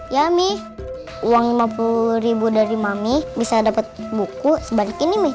ya mi uang rp lima puluh dari mami bisa dapat buku sebalik ini mi